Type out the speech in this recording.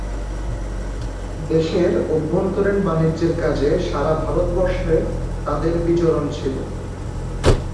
দেশের অভ্যন্তরীণ বাণিজ্যের কাজে সারা ভারতবর্ষে তাদের বিচরণ ছিল।